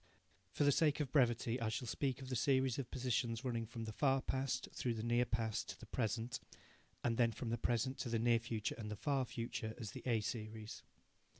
For the sake of brevity I shall speak of the series of positions running from the far past through the near past to the present, and then from the present to the near future and the far future, as the A series.